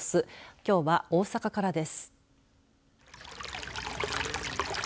きょうは、大阪からです。